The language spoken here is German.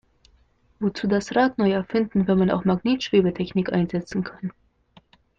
Wozu das Rad neu erfinden, wenn man auch Magnetschwebetechnik einsetzen kann?